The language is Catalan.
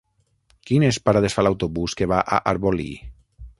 Quines parades fa l'autobús que va a Arbolí?